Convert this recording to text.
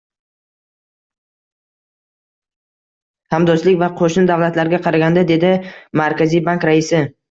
Hamdo'stlik va qo'shni davlatlarga qaraganda ”,- dedi Markaziy bank raisi